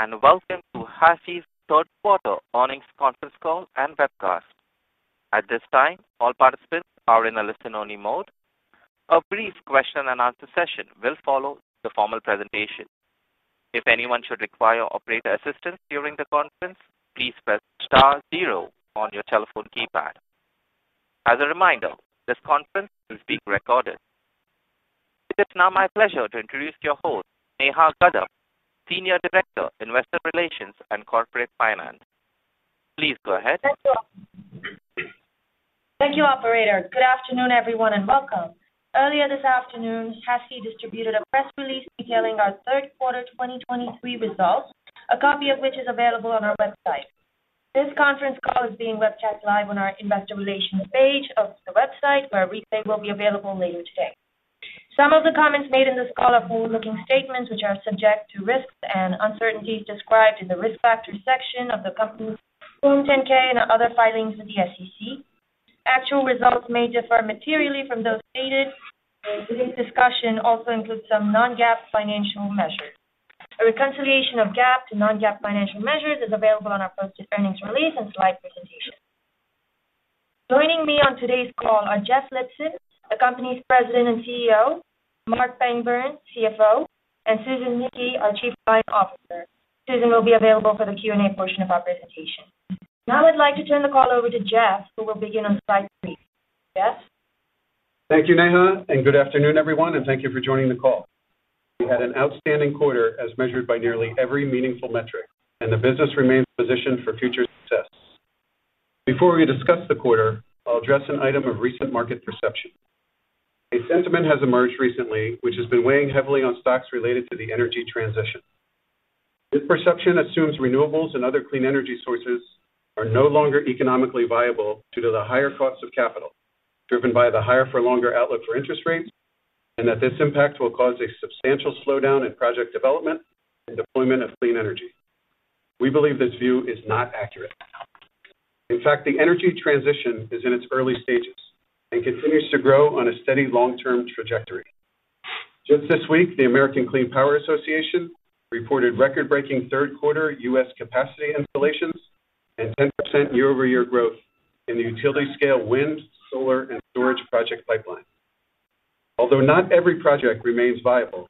Greetings, and welcome to HASI's third quarter earnings conference call and webcast. At this time, all participants are in a listen-only mode. A brief question and answer session will follow the formal presentation. If anyone should require operator assistance during the conference, please press star zero on your telephone keypad. As a reminder, this conference is being recorded. It is now my pleasure to introduce your host, Neha Gaddam, Senior Director, Investor Relations and Corporate Finance. Please go ahead. Thank you. Thank you, operator. Good afternoon, everyone, and welcome. Earlier this afternoon, HASI distributed a press release detailing our third quarter 2023 results, a copy of which is available on our website. This conference call is being webcast live on our investor relations page of the website, where a replay will be available later today. Some of the comments made in this call are forward-looking statements, which are subject to risks and uncertainties described in the Risk Factors section of the company's Form 10-K and other filings with the SEC. Actual results may differ materially from those stated. Today's discussion also includes some non-GAAP financial measures. A reconciliation of GAAP to non-GAAP financial measures is available on our post-earnings release and slide presentation. Joining me on today's call are Jeff Lipson, the company's President and CEO; Marc Pangburn, CFO; and Susan Nickey, our Chief Client Officer. Susan will be available for the Q&A portion of our presentation. Now I'd like to turn the call over to Jeff, who will begin on slide three. Jeff? Thank you, Neha, and good afternoon, everyone, and thank you for joining the call. We had an outstanding quarter as measured by nearly every meaningful metric, and the business remains positioned for future success. Before we discuss the quarter, I'll address an item of recent market perception. A sentiment has emerged recently, which has been weighing heavily on stocks related to the energy transition. This perception assumes renewables and other clean energy sources are no longer economically viable due to the higher cost of capital, driven by the higher for longer outlook for interest rates, and that this impact will cause a substantial slowdown in project development and deployment of clean energy. We believe this view is not accurate. In fact, the energy transition is in its early stages and continues to grow on a steady long-term trajectory. Just this week, the American Clean Power Association reported record-breaking third quarter U.S. capacity installations and 10% year-over-year growth in the utility-scale wind, solar, and storage project pipeline. Although not every project remains viable,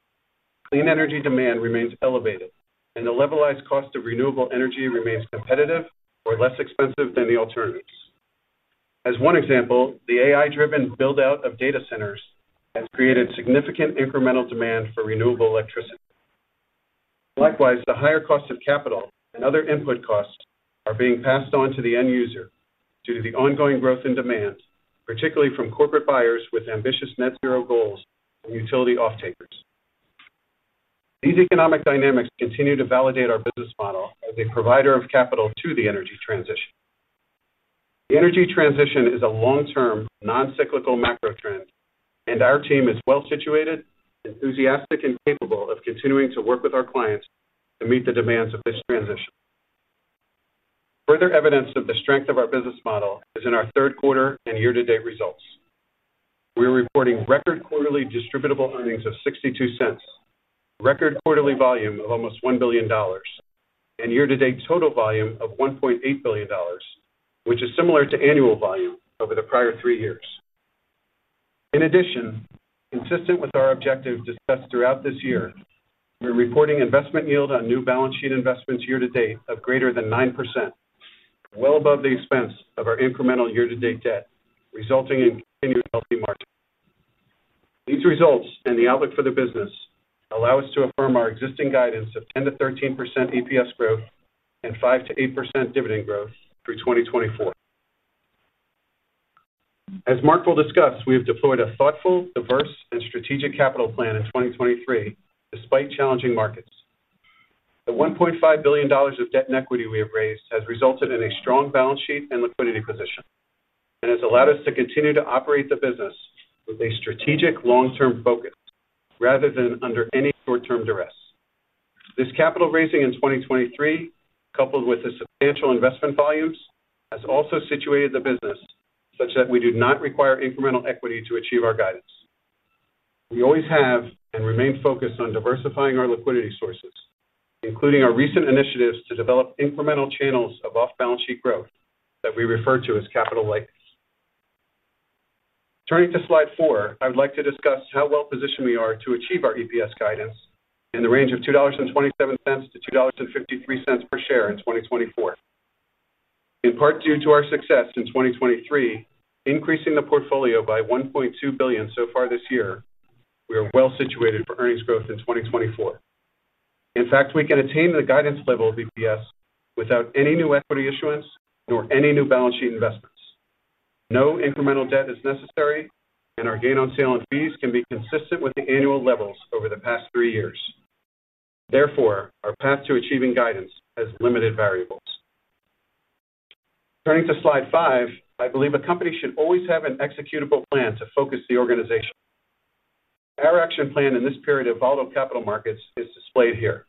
clean energy demand remains elevated, and the levelized cost of renewable energy remains competitive or less expensive than the alternatives. As one example, the AI-driven build-out of data centers has created significant incremental demand for renewable electricity. Likewise, the higher cost of capital and other input costs are being passed on to the end user due to the ongoing growth in demand, particularly from corporate buyers with ambitious net zero goals and utility off-takers. These economic dynamics continue to validate our business model as a provider of capital to the energy transition. The energy transition is a long-term, non-cyclical macro trend, and our team is well situated, enthusiastic, and capable of continuing to work with our clients to meet the demands of this transition. Further evidence of the strength of our business model is in our third quarter and year-to-date results. We are reporting record quarterly distributable earnings of $0.62, record quarterly volume of almost $1 billion, and year-to-date total volume of $1.8 billion, which is similar to annual volume over the prior three years. In addition, consistent with our objective discussed throughout this year, we're reporting investment yield on new balance sheet investments year to date of greater than 9%, well above the expense of our incremental year-to-date debt, resulting in continued healthy margin. These results and the outlook for the business allow us to affirm our existing guidance of 10% to 13% EPS growth and 5% to 8% dividend growth through 2024. As Marc will discuss, we have deployed a thoughtful, diverse, and strategic capital plan in 2023, despite challenging markets. The $1.5 billion of debt and equity we have raised has resulted in a strong balance sheet and liquidity position, and has allowed us to continue to operate the business with a strategic long-term focus rather than under any short-term duress. This capital raising in 2023, coupled with the substantial investment volumes, has also situated the business such that we do not require incremental equity to achieve our guidance. We always have and remain focused on diversifying our liquidity sources, including our recent initiatives to develop incremental channels of off-balance sheet growth that we refer to as capital lighters. Turning to slide 4, I would like to discuss how well-positioned we are to achieve our EPS guidance in the range of $2.27-$2.53 per share in 2024. In part, due to our success in 2023, increasing the portfolio by $1.2 billion so far this year, we are well situated for earnings growth in 2024. In fact, we can attain the guidance level of EPS without any new equity issuance nor any new balance sheet investments. No incremental debt is necessary, and our gain on sale and fees can be consistent with the annual levels over the past 3 years. Therefore, our path to achieving guidance has limited variables. Turning to slide 5, I believe a company should always have an executable plan to focus the organization. Our action plan in this period of volatile capital markets is displayed here.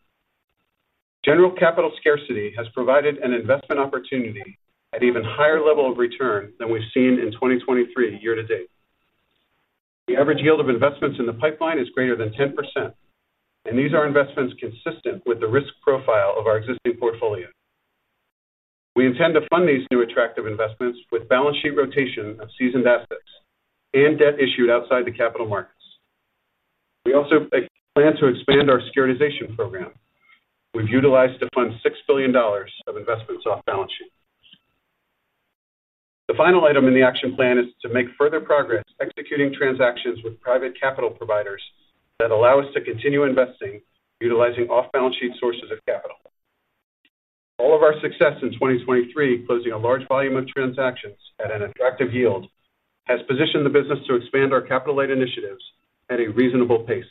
General capital scarcity has provided an investment opportunity at even higher level of return than we've seen in 2023 year to date. The average yield of investments in the pipeline is greater than 10%, and these are investments consistent with the risk profile of our existing portfolio. We intend to fund these new attractive investments with balance sheet rotation of seasoned assets and debt issued outside the capital markets. We also plan to expand our securitization program, which utilized to fund $6 billion of investments off balance sheet. The final item in the action plan is to make further progress, executing transactions with private capital providers that allow us to continue investing, utilizing off-balance sheet sources of capital. All of our success in 2023, closing a large volume of transactions at an attractive yield, has positioned the business to expand our capital-light initiatives at a reasonable pace.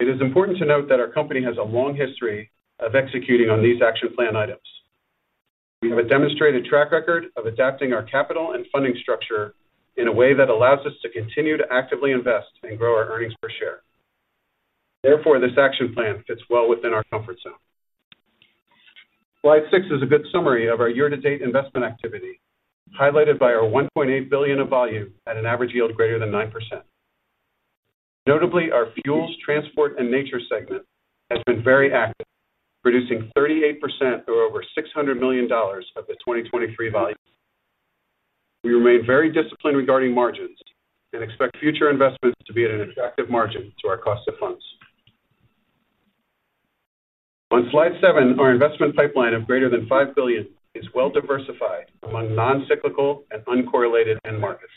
It is important to note that our company has a long history of executing on these action plan items. We have a demonstrated track record of adapting our capital and funding structure in a way that allows us to continue to actively invest and grow our earnings per share. Therefore, this action plan fits well within our comfort zone. Slide 6 is a good summary of our year-to-date investment activity, highlighted by our $1.8 billion of volume at an average yield greater than 9%. Notably, our fuels, transport, and nature segment has been very active, producing 38% or over $600 million of the 2023 volume. We remain very disciplined regarding margins and expect future investments to be at an attractive margin to our cost of funds. On slide 7, our investment pipeline of greater than $5 billion is well diversified among non-cyclical and uncorrelated end markets.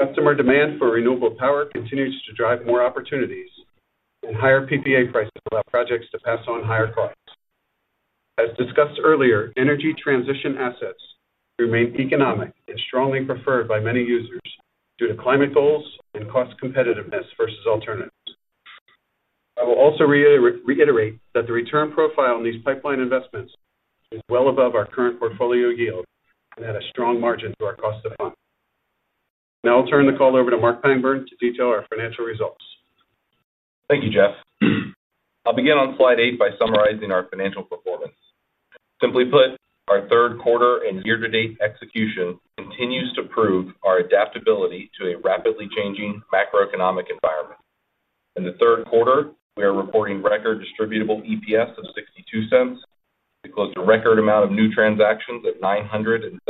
Customer demand for renewable power continues to drive more opportunities, and higher PPA prices allow projects to pass on higher costs. As discussed earlier, energy transition assets remain economic and strongly preferred by many users due to climate goals and cost competitiveness versus alternatives. I will also reiterate that the return profile on these pipeline investments is well above our current portfolio yield and at a strong margin to our cost of funds. Now I'll turn the call over to Marc Pangburn to detail our financial results. Thank you, Jeff. I'll begin on slide 8 by summarizing our financial performance. Simply put, our third quarter and year-to-date execution continues to prove our adaptability to a rapidly changing macroeconomic environment. In the third quarter, we are reporting record distributable EPS of $0.62. We closed a record amount of new transactions at $973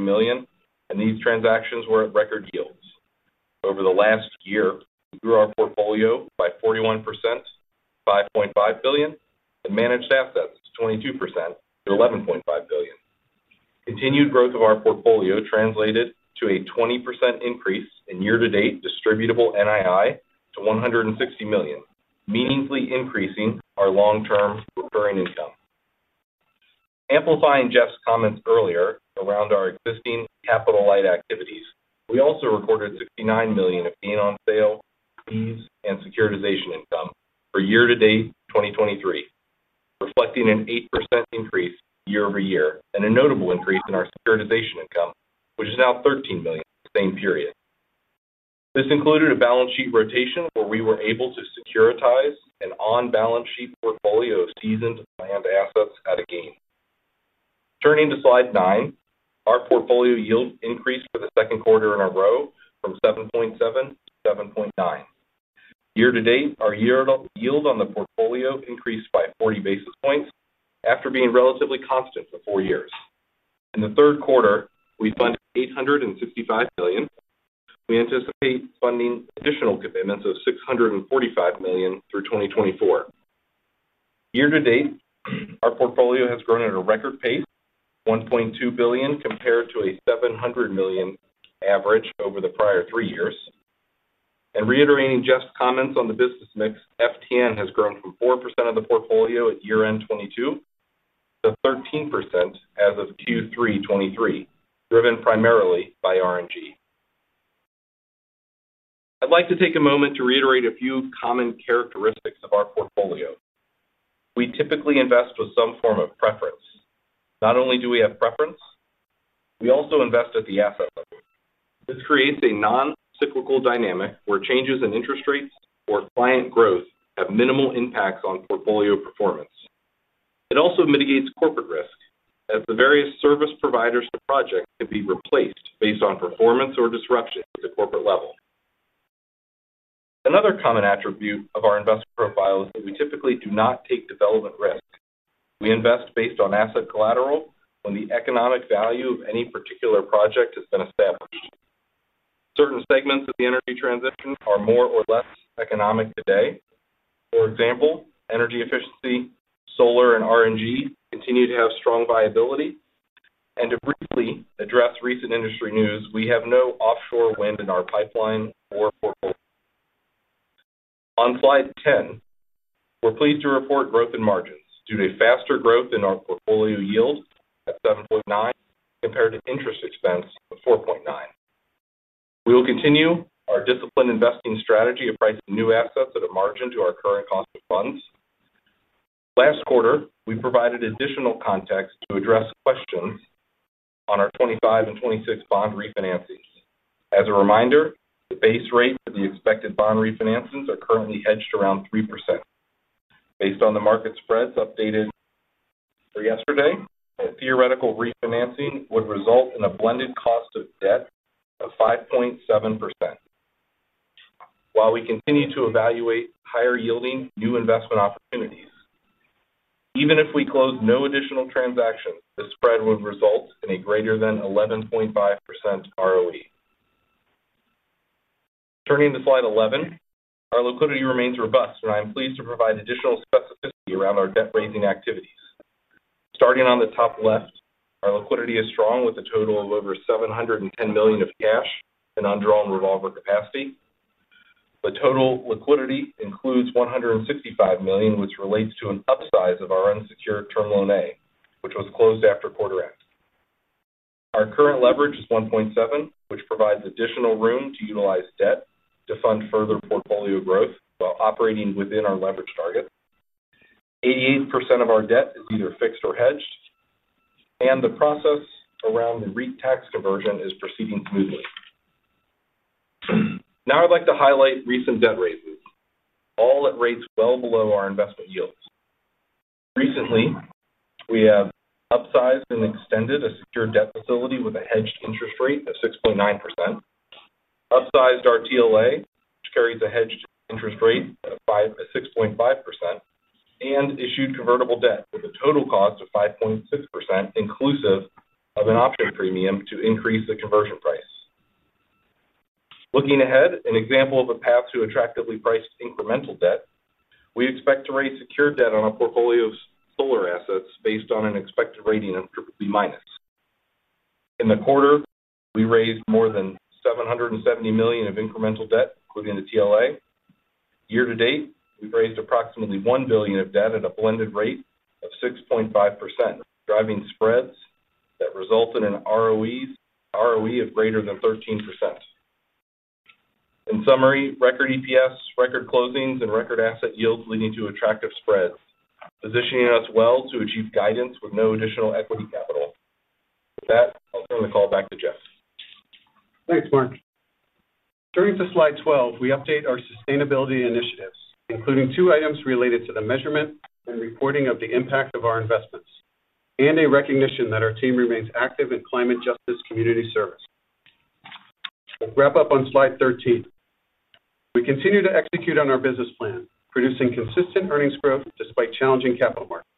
million, and these transactions were at record yields. Over the last year, we grew our portfolio by 41% to $5.5 billion, and managed assets 22% to $11.5 billion. Continued growth of our portfolio translated to a 20% increase in year-to-date distributable NII to $160 million, meaningfully increasing our long-term recurring income. Amplifying Jeff's comments earlier around our existing capital-light activities, we also recorded $69 million of gain on sale, fees, and securitization income for year-to-date 2023, reflecting an 8% increase year-over-year and a notable increase in our securitization income, which is now $13 million, same period. This included a balance sheet rotation, where we were able to securitize an on-balance sheet portfolio of seasoned land assets at a gain. Turning to slide 9, our portfolio yield increased for the second quarter in a row from 7.7 to 7.9. Year to date, our year yield on the portfolio increased by 40 basis points after being relatively constant for four years. In the third quarter, we funded $865 million. We anticipate funding additional commitments of $645 million through 2024. Year to date, our portfolio has grown at a record pace, $1.2 billion, compared to a $700 million average over the prior three years. Reiterating Jeff's comments on the business mix, FTN has grown from 4% of the portfolio at year-end 2022 to 13% as of Q3 2023, driven primarily by RNG. I'd like to take a moment to reiterate a few common characteristics of our portfolio. We typically invest with some form of preference. Not only do we have preference, we also invest at the asset level. This creates a non-cyclical dynamic, where changes in interest rates or client growth have minimal impacts on portfolio performance. It also mitigates corporate risk, as the various service providers to project can be replaced based on performance or disruption at the corporate level. Another common attribute of our investment profile is that we typically do not take development risks. We invest based on asset collateral when the economic value of any particular project has been established. Certain segments of the energy transition are more or less economic today. For example, energy efficiency, solar, and RNG continue to have strong viability. And to briefly address recent industry news, we have no offshore wind in our pipeline or portfolio. On slide 10, we're pleased to report growth in margins due to faster growth in our portfolio yield at 7.9, compared to interest expense of 4.9. We will continue our disciplined investing strategy of pricing new assets at a margin to our current cost of funds. Last quarter, we provided additional context to address questions on our 2025 and 2026 bond refinancings. As a reminder, the base rate for the expected bond refinancings are currently hedged around 3%. Based on the market spreads updated. So yesterday, a theoretical refinancing would result in a blended cost of debt of 5.7%. While we continue to evaluate higher-yielding new investment opportunities, even if we close no additional transactions, the spread would result in a greater than 11.5% ROE. Turning to slide 11, our liquidity remains robust, and I am pleased to provide additional specificity around our debt-raising activities. Starting on the top left, our liquidity is strong, with a total of over $710 million of cash and undrawn revolver capacity. The total liquidity includes $165 million, which relates to an upsize of our unsecured Term Loan A, which was closed after quarter end. Our current leverage is 1.7, which provides additional room to utilize debt to fund further portfolio growth while operating within our leverage target. 88% of our debt is either fixed or hedged, and the process around the REIT tax diversion is proceeding smoothly. Now I'd like to highlight recent debt raises, all at rates well below our investment yields. Recently, we have upsized and extended a secured debt facility with a hedged interest rate of 6.9%, upsized our TLA, which carries a hedged interest rate of 6.5%, and issued convertible debt with a total cost of 5.6%, inclusive of an option premium to increase the conversion price. Looking ahead, an example of a path to attractively priced incremental debt, we expect to raise secured debt on a portfolio of solar assets based on an expected rating of BBB-. In the quarter, we raised more than $770 million of incremental debt, including the TLA. Year to date, we've raised approximately $1 billion of debt at a blended rate of 6.5%, driving spreads that resulted in ROE of greater than 13%. In summary, record EPS, record closings, and record asset yields leading to attractive spreads, positioning us well to achieve guidance with no additional equity capital. With that, I'll turn the call back to Jeff. Thanks, Marc. Turning to slide 12, we update our sustainability initiatives, including two items related to the measurement and reporting of the impact of our investments, and a recognition that our team remains active in climate justice community service. We'll wrap up on slide 13. We continue to execute on our business plan, producing consistent earnings growth despite challenging capital markets.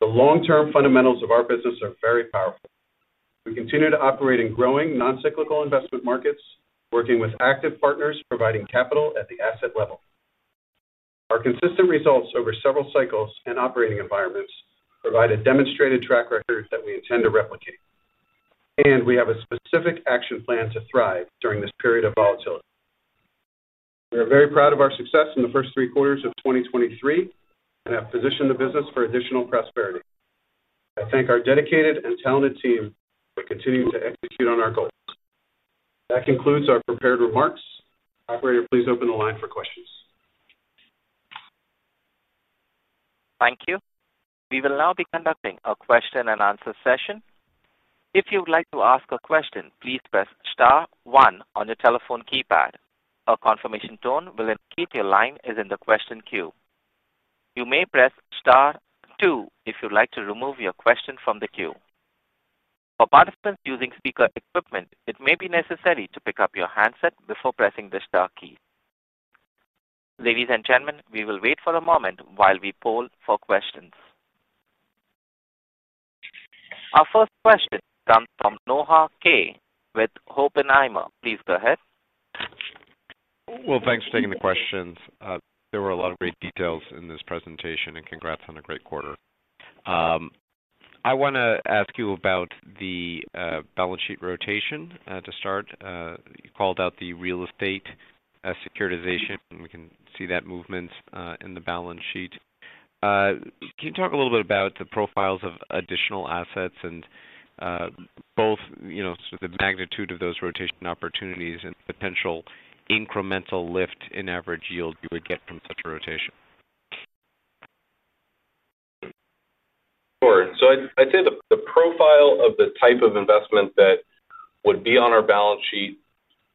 The long-term fundamentals of our business are very powerful. We continue to operate in growing, non-cyclical investment markets, working with active partners, providing capital at the asset level. Our consistent results over several cycles and operating environments provide a demonstrated track record that we intend to replicate, and we have a specific action plan to thrive during this period of volatility. We are very proud of our success in the first three quarters of 2023 and have positioned the business for additional prosperity. I thank our dedicated and talented team for continuing to execute on our goals. That concludes our prepared remarks. Operator, please open the line for questions. Thank you. We will now be conducting a question-and-answer session. If you'd like to ask a question, please press star one on your telephone keypad. A confirmation tone will indicate your line is in the question queue. You may press star two if you'd like to remove your question from the queue. For participants using speaker equipment, it may be necessary to pick up your handset before pressing the star key. Ladies and gentlemen, we will wait for a moment while we poll for questions. Our first question comes from Noah Kaye with Oppenheimer. Please go ahead. Well, thanks for taking the questions. There were a lot of great details in this presentation, and congrats on a great quarter. I want to ask you about the balance sheet rotation to start. You called out the real estate as securitization, and we can see that movement in the balance sheet. Can you talk a little bit about the profiles of additional assets and both, you know, sort of the magnitude of those rotation opportunities and potential incremental lift in average yield you would get from such a rotation? Sure. So I'd say the profile of the type of investment that would be on our balance sheet,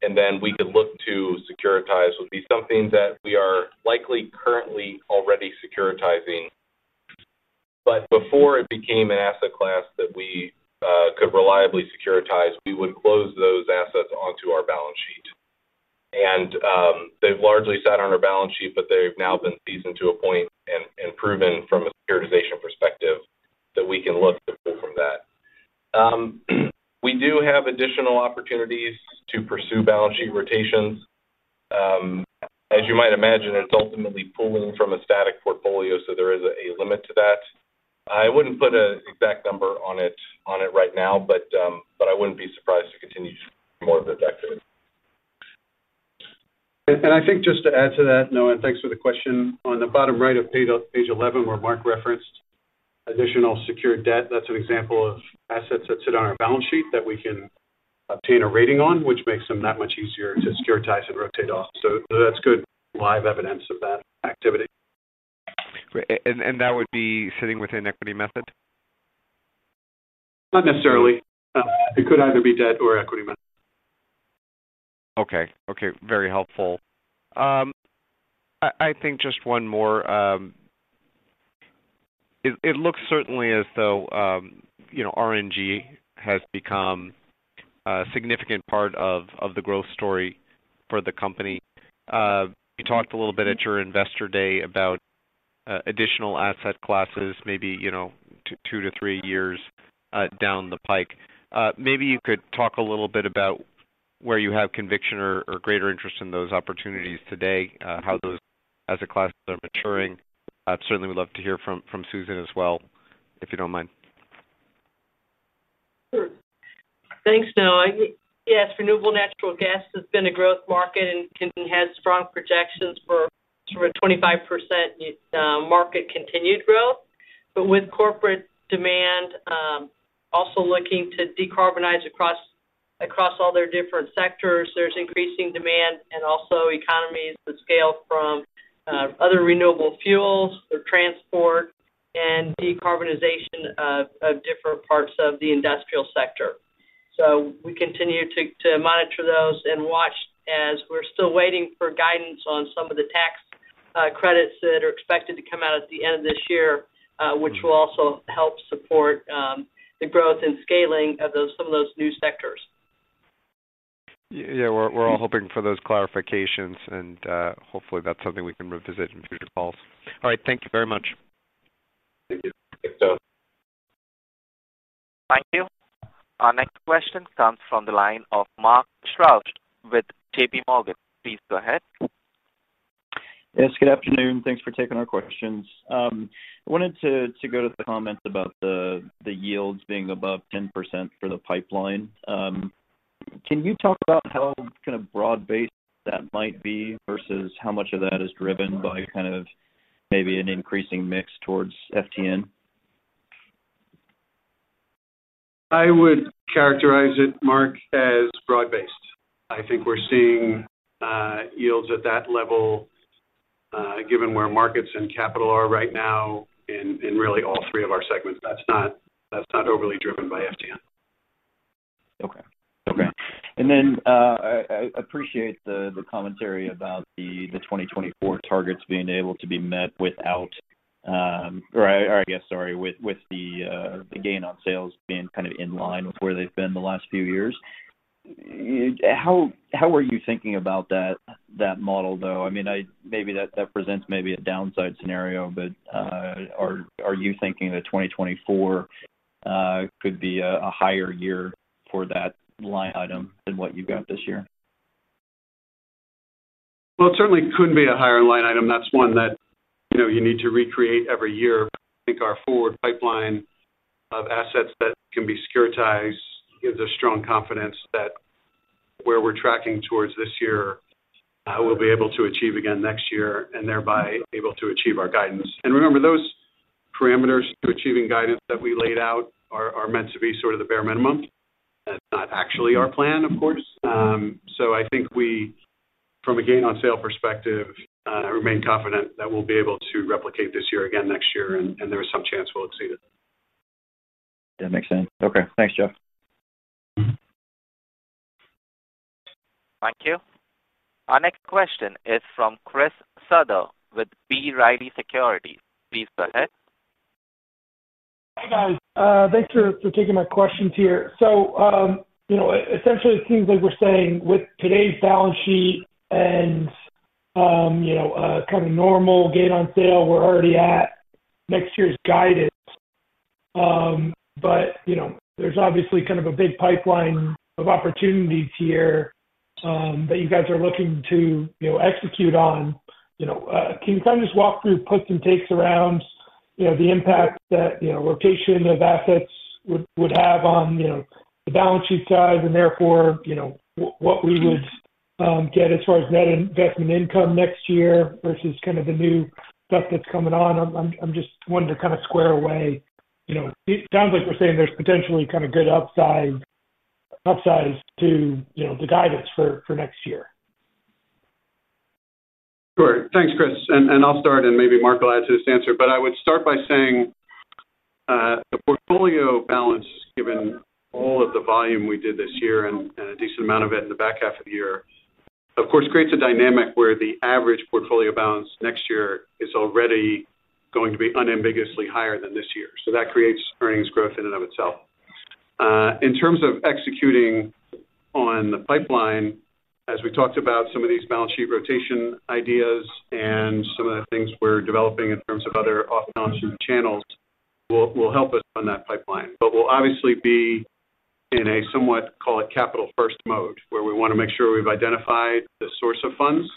and then we could look to securitize, would be something that we are likely currently already securitizing. But before it became an asset class that we could reliably securitize, we would close those assets onto our balance sheet. And they've largely sat on our balance sheet, but they've now been seasoned to a point and proven from a securitization perspective that we can look to build from that. We do have additional opportunities to pursue balance sheet rotations. As you might imagine, it's ultimately pooling from a static portfolio, so there is a limit to that. I wouldn't put an exact number on it right now, but I wouldn't be surprised to continue to see more of that activity. I think just to add to that, Noah, and thanks for the question. On the bottom right of page 11, where Marc referenced additional secured debt, that's an example of assets that sit on our balance sheet that we can obtain a rating on, which makes them that much easier to securitize and rotate off. So that's good live evidence of that activity. Great. And that would be sitting within equity method?... Not necessarily. It could either be debt or equity money. Okay. Okay, very helpful. I, I think just one more. It looks certainly as though, you know, RNG has become a significant part of, of the growth story for the company. You talked a little bit at your Investor Day about, additional asset classes, maybe, you know, 2-3 years, down the pike. Maybe you could talk a little bit about where you have conviction or, or greater interest in those opportunities today, how those asset classes are maturing. I certainly would love to hear from, from Susan as well, if you don't mind. Sure. Thanks, Noah. Yes, renewable natural gas has been a growth market and has strong projections for sort of a 25% market continued growth. But with corporate demand also looking to decarbonize across all their different sectors, there's increasing demand and also economies that scale from other renewable fuels or transport and decarbonization of different parts of the industrial sector. So we continue to monitor those and watch as we're still waiting for guidance on some of the tax credits that are expected to come out at the end of this year, which will also help support the growth and scaling of those, some of those new sectors. Yeah, we're, we're all hoping for those clarifications, and hopefully, that's something we can revisit in future calls. All right. Thank you very much. Thank you. Thanks, Noah. Thank you. Our next question comes from the line of Mark Strouse with JPMorgan. Please go ahead. Yes, good afternoon. Thanks for taking our questions. I wanted to go to the comments about the yields being above 10% for the pipeline. Can you talk about how kind of broad-based that might be versus how much of that is driven by kind of maybe an increasing mix towards FTN? I would characterize it, Mark, as broad-based. I think we're seeing yields at that level, given where markets and capital are right now in, in really all three of our segments. That's not, that's not overly driven by FTN. Okay. Okay. And then, I appreciate the commentary about the 2024 targets being able to be met without, or I guess, sorry, with the gain on sales being kind of in line with where they've been the last few years. How are you thinking about that model, though? I mean, maybe that presents maybe a downside scenario, but, are you thinking that 2024 could be a higher year for that line item than what you've got this year? Well, it certainly could be a higher line item. That's one that, you know, you need to recreate every year. I think our forward pipeline of assets that can be securitized gives us strong confidence that where we're tracking towards this year, we'll be able to achieve again next year and thereby able to achieve our guidance. And remember, those parameters to achieving guidance that we laid out are, are meant to be sort of the bare minimum. That's not actually our plan, of course. So I think we, from a gain on sale perspective, remain confident that we'll be able to replicate this year again next year, and, and there is some chance we'll exceed it. That makes sense. Okay. Thanks, Jeff. Mm-hmm. Thank you. Our next question is from Chris Souther with B. Riley Securities. Please go ahead. Hey, guys. Thanks for taking my questions here. So, you know, essentially, it seems like we're saying with today's balance sheet and, you know, kind of normal gain on sale, we're already at next year's guidance. But, you know, there's obviously kind of a big pipeline of opportunities here that you guys are looking to, you know, execute on. You know, can you kind of just walk through puts and takes around, you know, the impact that, you know, rotation of assets would have on, you know, the balance sheet size and therefore, you know, what we would get as far as net investment income next year versus kind of the new stuff that's coming on? I'm just wanting to kind of square away... You know, it sounds like we're saying there's potentially kind of good upside to, you know, the guidance for next year. Sure. Thanks, Chris. And I'll start, and maybe Marc will add to this answer. But I would start by saying, the portfolio balance, given all of the volume we did this year and a decent amount of it in the back half of the year, of course, creates a dynamic where the average portfolio balance next year is already going to be unambiguously higher than this year. So that creates earnings growth in and of itself. In terms of executing on the pipeline, as we talked about, some of these balance sheet rotation ideas and some of the things we're developing in terms of other off-balance sheet channels will help us on that pipeline. But we'll obviously be in a somewhat, call it, capital-first mode, where we want to make sure we've identified the source of funds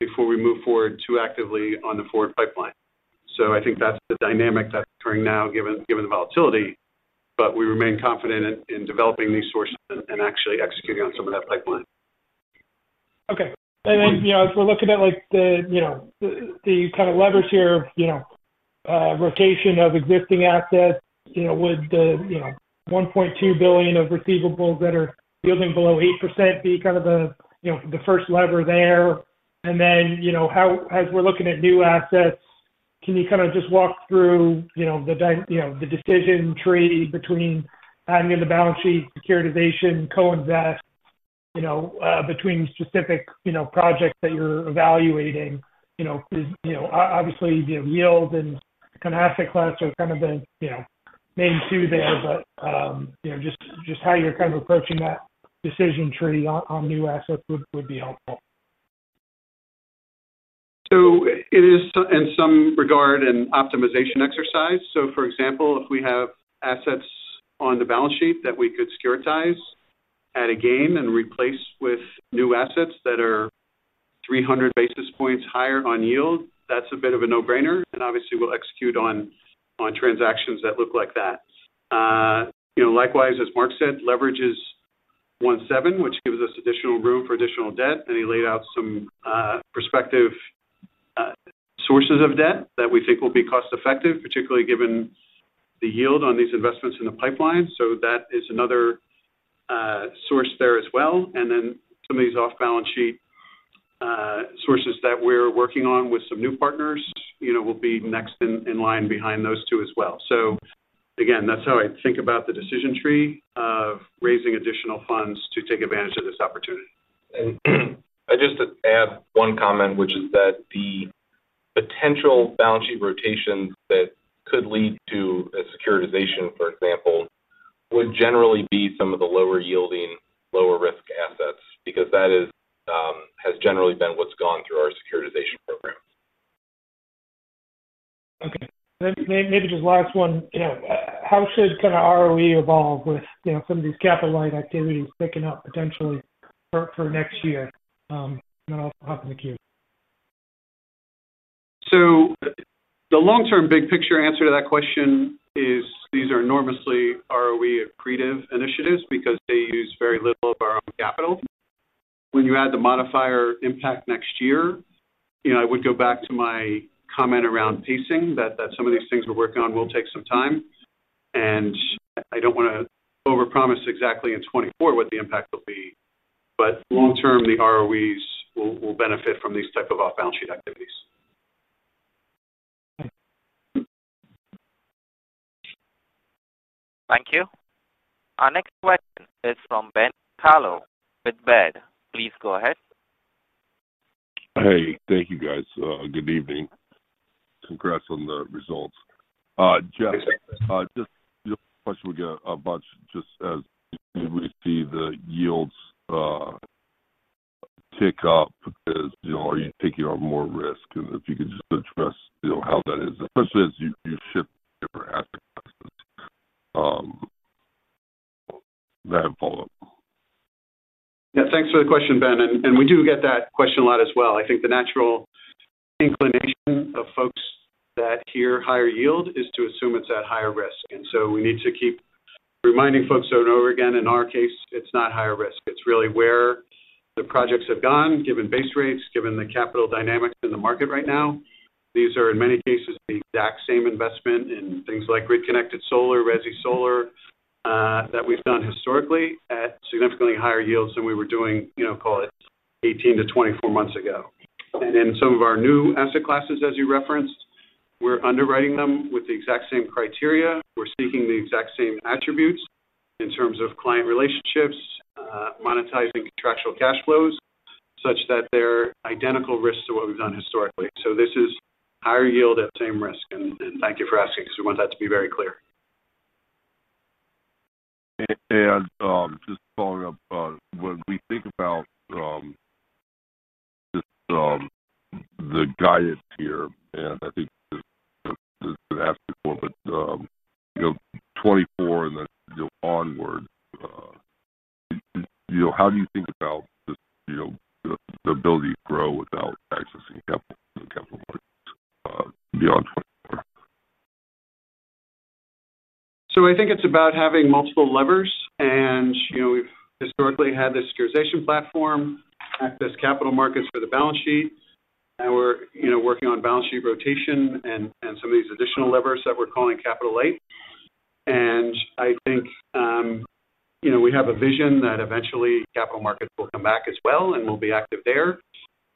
before we move forward too actively on the forward pipeline. So I think that's the dynamic that's occurring now, given the volatility, but we remain confident in developing these sources and actually executing on some of that pipeline. Okay. And then, you know, as we're looking at, like, you know, the kind of leverage here, you know, rotation of existing assets, you know, would the, you know, $1.2 billion of receivables that are yielding below 8% be kind of a, you know, the first lever there? And then, you know, how, as we're looking at new assets, can you kind of just walk through, you know, the decision tree between adding to the balance sheet, securitization, co-invest, you know, between specific, you know, projects that you're evaluating, you know, is, you know, obviously, the yield and kind of asset class are kind of the, you know, main two there. But, you know, just how you're kind of approaching that decision tree on new assets would be helpful. So it is, in some regard, an optimization exercise. So for example, if we have assets on the balance sheet that we could securitize at a gain and replace with new assets that are 300 basis points higher on yield, that's a bit of a no-brainer, and obviously we'll execute on transactions that look like that. You know, likewise, as Marc said, leverage is 1.7, which gives us additional room for additional debt. And he laid out some prospective sources of debt that we think will be cost-effective, particularly given the yield on these investments in the pipeline. So that is another source there as well. And then some of these off-balance sheet sources that we're working on with some new partners, you know, will be next in line behind those two as well. Again, that's how I think about the decision tree of raising additional funds to take advantage of this opportunity. Just to add one comment, which is that the potential balance sheet rotations that could lead to a securitization, for example, would generally be some of the lower yielding, lower risk assets, because that is, has generally been what's gone through our securitization programs. Okay. Then maybe just last one, you know, how should kind of ROE evolve with, you know, some of these capital light activities picking up potentially for next year? And then I'll hop in the queue. So the long-term big picture answer to that question is, these are enormously ROE accretive initiatives because they use very little of our own capital. When you add the modifier impact next year, you know, I would go back to my comment around pacing, that some of these things we're working on will take some time. And I don't want to overpromise exactly in 2024 what the impact will be, but long term, the ROEs will benefit from these type of off-balance sheet activities. Thank you. Our next question is from Ben Kallo with Baird. Please go ahead. Hey, thank you, guys. Good evening. Congrats on the results. Jeff, just a question we get a bunch, just as we see the yields tick up, as you know, are you taking on more risk? And if you could just address, you know, how that is, especially as you shift different asset classes. Then follow up. Yeah, thanks for the question, Ben, and we do get that question a lot as well. I think the natural inclination of folks that hear higher yield is to assume it's at higher risk. And so we need to keep reminding folks over and over again, in our case, it's not higher risk. It's really where the projects have gone, given base rates, given the capital dynamics in the market right now. These are, in many cases, the exact same investment in things like grid-connected solar, resi solar, that we've done historically at significantly higher yields than we were doing, you know, call it 18-24 months ago. And in some of our new asset classes, as you referenced, we're underwriting them with the exact same criteria. We're seeking the exact same attributes in terms of client relationships, monetizing contractual cash flows, such that they're identical risks to what we've done historically. So this is higher yield at the same risk. And thank you for asking, because we want that to be very clear. Just following up on when we think about just the guidance here, and I think this has been asked before, but you know, 2024 and then you know onward, you know, how do you think about the you know the the ability to grow without accessing capital and capital markets beyond 2024? So I think it's about having multiple levers. And, you know, we've historically had this securitization platform, access capital markets for the balance sheet, and we're, you know, working on balance sheet rotation and some of these additional levers that we're calling capital light. And I think, you know, we have a vision that eventually capital markets will come back as well and we'll be active there.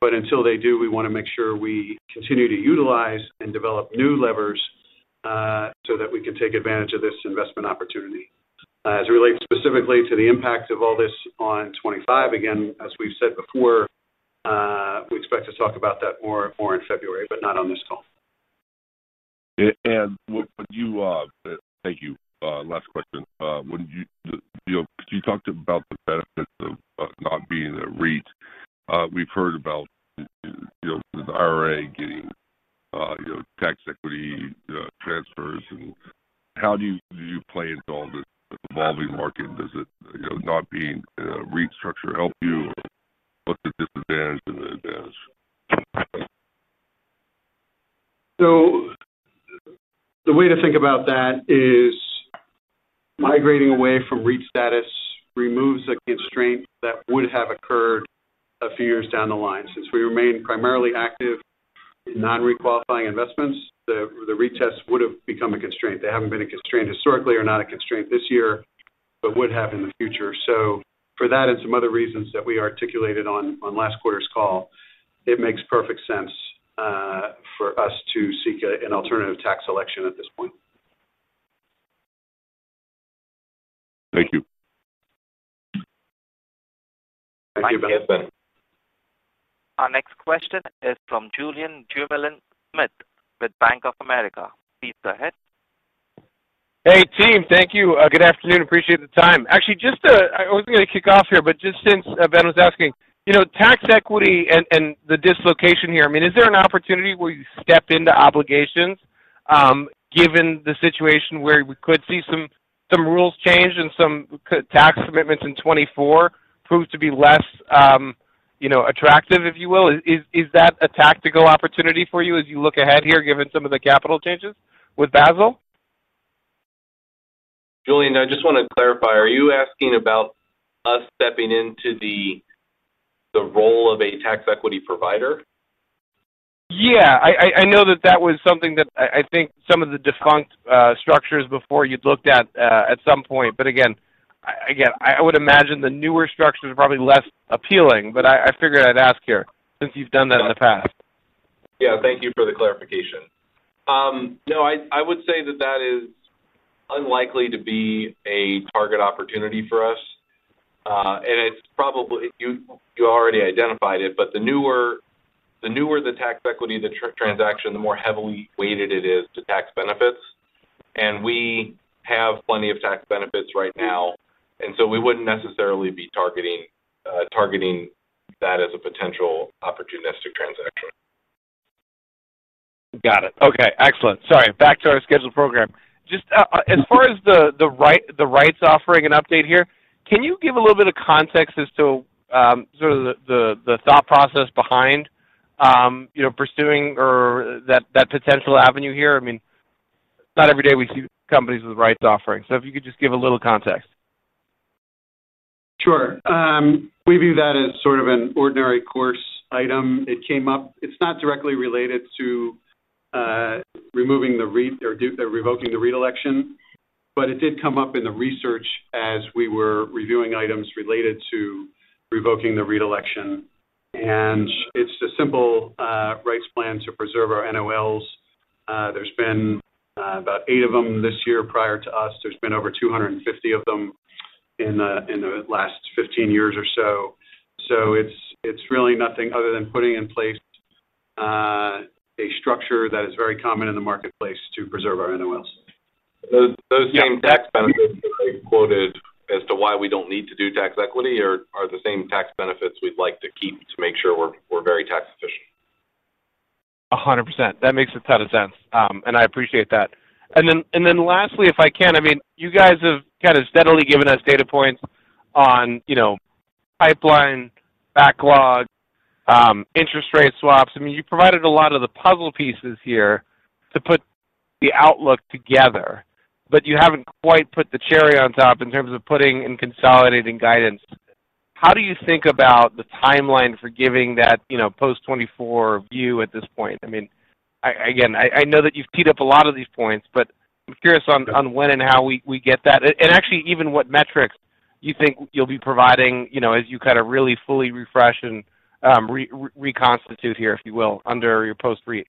But until they do, we want to make sure we continue to utilize and develop new levers so that we can take advantage of this investment opportunity. As it relates specifically to the impact of all this on 2025, again, as we've said before, we expect to talk about that more in February, but not on this call. Would you, thank you. Last question. Would you, you know, you talked about the benefits of not being a REIT. We've heard about, you know, the IRA getting, you know, tax equity transfers, and how do you, do you play into all this evolving market? Does it, you know, not being a REIT structure help you? What's the disadvantage and the advantage? So the way to think about that is migrating away from REIT status removes a constraint that would have occurred a few years down the line. Since we remain primarily non-requalifying investments, the retest would have become a constraint. They haven't been a constraint historically, are not a constraint this year, but would have in the future. So for that and some other reasons that we articulated on last quarter's call, it makes perfect sense for us to seek an alternative tax election at this point. Thank you. Thank you, Ben. Our next question is from Julien Dumoulin-Smith with Bank of America. Please go ahead. Hey, team. Thank you. Good afternoon. Appreciate the time. Actually, just to—I was going to kick off here, but just since Ben was asking, you know, tax equity and the dislocation here, I mean, is there an opportunity where you step into obligations, given the situation where we could see some rules change and some tax commitments in 2024 prove to be less, you know, attractive, if you will? Is that a tactical opportunity for you as you look ahead here, given some of the capital changes with Basel? Julien, I just want to clarify, are you asking about us stepping into the role of a tax equity provider? Yeah. I know that that was something that I think some of the defunct structures before you'd looked at at some point. But again, I would imagine the newer structures are probably less appealing, but I figured I'd ask here since you've done that in the past. Yeah, thank you for the clarification. No, I would say that that is unlikely to be a target opportunity for us. And it's probably—you already identified it, but the newer the tax equity transaction, the more heavily weighted it is to tax benefits. And we have plenty of tax benefits right now, and so we wouldn't necessarily be targeting that as a potential opportunistic transaction. Got it. Okay, excellent. Sorry, back to our scheduled program. Just, as far as the rights offering an update here, can you give a little bit of context as to sort of the thought process behind, you know, pursuing or that potential avenue here? I mean, not every day we see companies with rights offerings. So if you could just give a little context. Sure. We view that as sort of an ordinary course item. It came up. It's not directly related to removing the REIT or revoking the REIT election, but it did come up in the research as we were reviewing items related to revoking the REIT election. And it's a simple rights plan to preserve our NOLs. There's been about eight of them this year prior to us. There's been over 250 of them in the last 15 years or so. So it's really nothing other than putting in place a structure that is very common in the marketplace to preserve our NOLs. Those same tax benefits that I quoted as to why we don't need to do tax equity are the same tax benefits we'd like to keep to make sure we're very tax efficient. 100%. That makes a ton of sense, and I appreciate that. Then lastly, if I can, I mean, you guys have kind of steadily given us data points on, you know, pipeline backlog, interest rate swaps. I mean, you provided a lot of the puzzle pieces here to put the outlook together, but you haven't quite put the cherry on top in terms of putting and consolidating guidance. How do you think about the timeline for giving that, you know, post-2024 view at this point? I mean, again, I know that you've teed up a lot of these points, but I'm curious on, on when and how we get that. And actually even what metrics you think you'll be providing, you know, as you kind of really fully refresh and reconstitute here, if you will, under your post-REIT.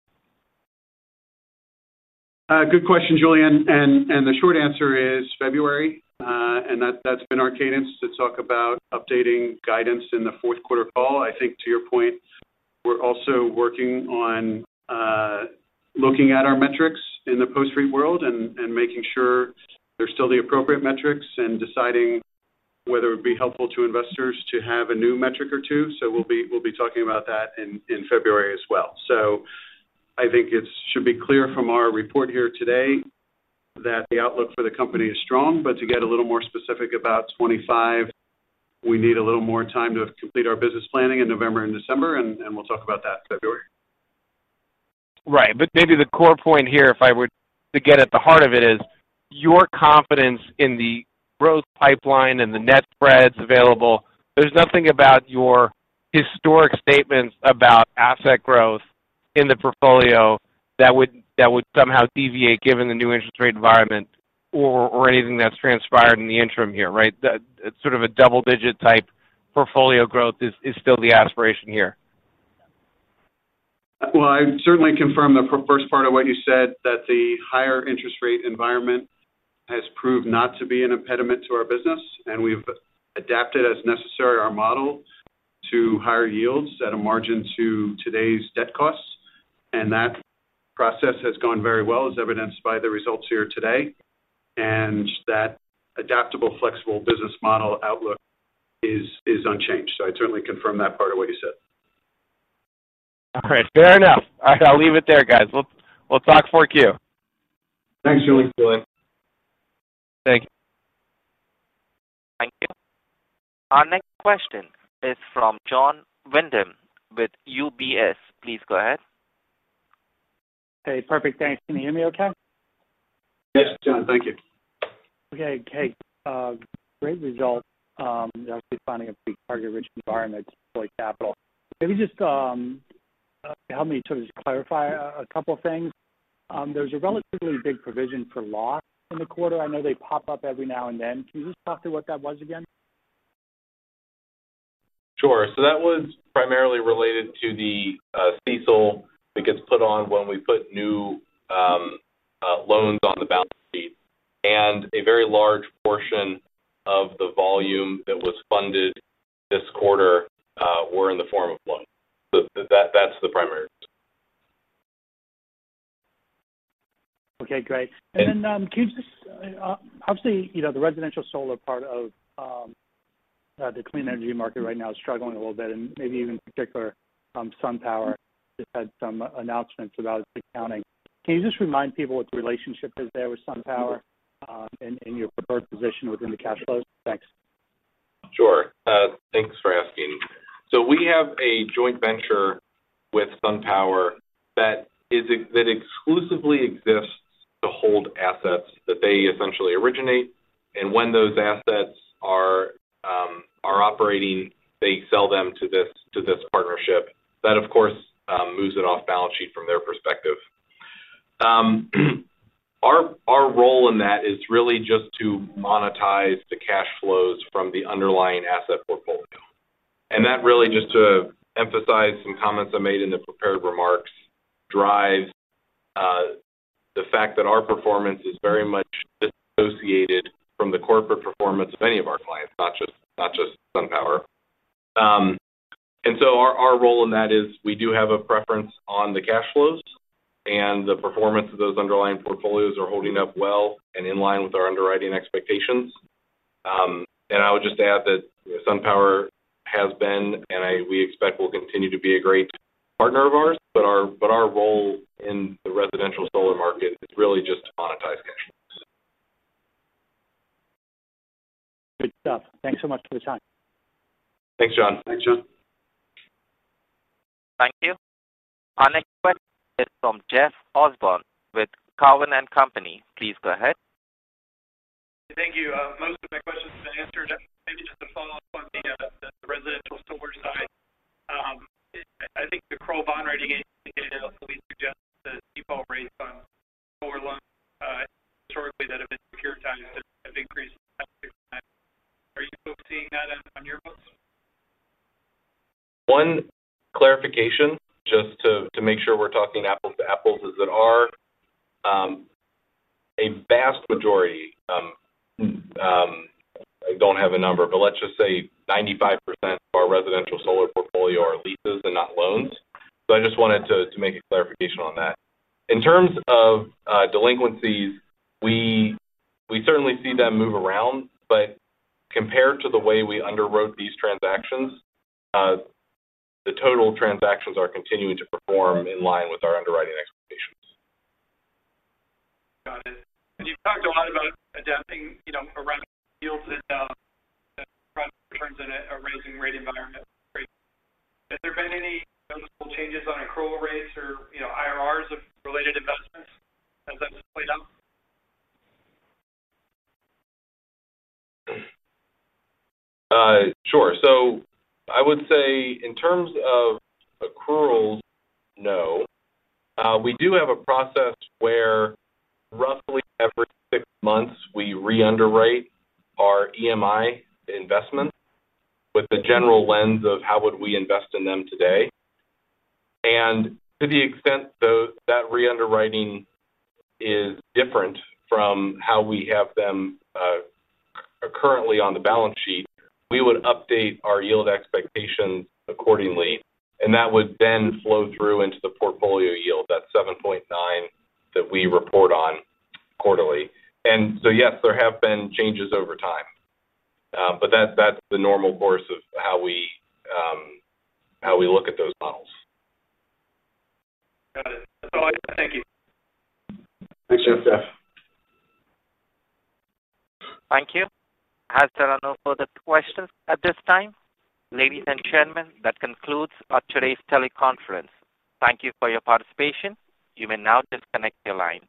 Good question, Julien. The short answer is February. That's been our cadence to talk about updating guidance in the fourth quarter call. I think to your point, we're also working on looking at our metrics in the post-REIT world and making sure they're still the appropriate metrics and deciding whether it would be helpful to investors to have a new metric or two. We'll be talking about that in February as well. I think it should be clear from our report here today that the outlook for the company is strong, but to get a little more specific about 25, we need a little more time to complete our business planning in November and December, and we'll talk about that in February. Right. But maybe the core point here, if I were to get at the heart of it, is your confidence in the growth pipeline and the net spreads available. There's nothing about your historic statements about asset growth in the portfolio that would somehow deviate given the new interest rate environment or anything that's transpired in the interim here, right? That it's sort of a double-digit type portfolio growth is still the aspiration here. Well, I certainly confirm the first part of what you said, that the higher interest rate environment has proved not to be an impediment to our business, and we've adapted as necessary our model to higher yields at a margin to today's debt costs. And that process has gone very well, as evidenced by the results here today. And that adaptable, flexible business model outlook is, is unchanged. So I certainly confirm that part of what you said. All right. Fair enough. I'll leave it there, guys. We'll talk Q4. Thanks, Julien. Thank you. Thank you. Our next question is from Jon Windham with UBS. Please go ahead. Hey, perfect. Thanks. Can you hear me okay? Yes, Jon. Thank you. Okay, great results. Actually finding a big target-rich environment, deploy capital. Let me just, help me to just clarify a couple of things. There's a relatively big provision for loss in the quarter. I know they pop up every now and then. Can you just talk to what that was again? Sure. So that was primarily related to the CECL that gets put on when we put new loans on the balance sheet. And a very large portion of the volume that was funded this quarter were in the form of loans. So that's the primary. Okay, great. Can you just, obviously, you know, the residential solar part of the clean energy market right now is struggling a little bit, and maybe even in particular, SunPower just had some announcements about accounting. Can you just remind people what the relationship is there with SunPower, and, and your preferred position within the cash flows? Thanks. Sure. Thanks for asking. So we have a joint venture with SunPower that exclusively exists to hold assets that they essentially originate. And when those assets are operating, they sell them to this partnership. That, of course, moves it off balance sheet from their perspective. Our role in that is really just to monetize the cash flows from the underlying asset portfolio. And that really, just to emphasize some comments I made in the prepared remarks, drives the fact that our performance is very much dissociated from the corporate performance of any of our clients, not just SunPower. And so our role in that is we do have a preference on the cash flows, and the performance of those underlying portfolios are holding up well and in line with our underwriting expectations. I would just add that, you know, SunPower has been, and we expect will continue to be a great partner of ours, but our role in the residential solar market is really just to monetize cash flows. Good stuff. Thanks so much for the time. Thanks, Jon. Thanks, Jon. Thank you. Our next question is from Jeff Osborne with Cowen and Company. Please go ahead. Thank you. Most of my questions have been answered. Maybe just a follow-up on the residential solar side. I think the Kroll Bond Rating Agency suggested the default rates on solar loans historically, that have been increased. Are you both seeing that on your books? One clarification, just to make sure we're talking apples to apples, is that our a vast majority—I don't have a number, but let's just say 95% of our residential solar portfolio are leases and not loans. So I just wanted to make a clarification on that. In terms of delinquencies, we certainly see them move around, but compared to the way we underwrote these transactions, the total transactions are continuing to perform in line with our underwriting expectations. Got it. You've talked a lot about adapting, you know, around yields and returns in a rising rate environment. Has there been any noticeable changes on accrual rates or, you know, IRRs of related investments as that's played out? Sure. So I would say in terms of accruals, no. We do have a process where roughly every six months, we re-underwrite our EMI investments with the general lens of how would we invest in them today. And to the extent, though, that re-underwriting is different from how we have them currently on the balance sheet, we would update our yield expectations accordingly, and that would then flow through into the portfolio yield, that 7.9% that we report on quarterly. And so, yes, there have been changes over time, but that's the normal course of how we look at those models. Got it. As always, thank you. Thanks, Jeff. Thank you. As there are no further questions at this time, ladies and gentlemen, that concludes today's teleconference. Thank you for your participation. You may now disconnect your line.